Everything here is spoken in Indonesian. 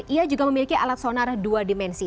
ia juga memiliki alat sonar dua dimensi